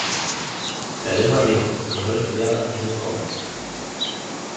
La lengua "ring" mejor estudiada es el kom.